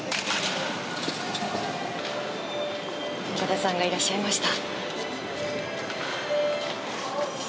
岡田さんがいらっしゃいました。